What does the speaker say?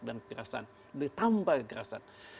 dan kekerasan ditambah kekerasan